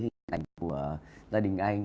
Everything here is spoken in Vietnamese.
hình ảnh của gia đình anh